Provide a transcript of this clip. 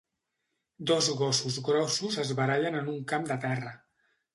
Dos gossos grossos es barallen en un camp de terra.